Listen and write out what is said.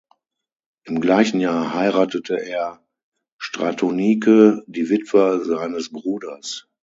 Im gleichen Jahr heiratete er Stratonike, die Witwe seines Bruders.